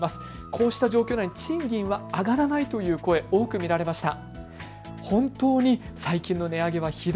こうした状況なのに賃金は上がらないという声多く見られました。